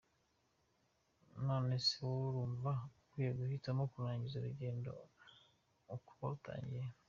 Nonese wowe urumva ukwiye guhitamo kurangiza urugendo uko warutangiye?